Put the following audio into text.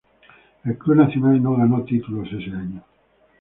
El club Nacional no ganó títulos ese año.